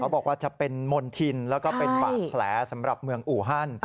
บอกว่าจะเป็นมณฑินแล้วก็เป็นบาดแผลสำหรับเมืองอูฮัน